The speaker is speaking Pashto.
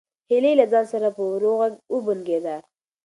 هیلې له ځان سره په ورو غږ وبونګېده.